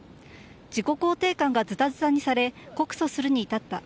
自己肯定感がズタズタにされ告訴するに至った。